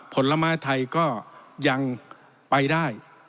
ผลไม้ไทยก็ยังไปได้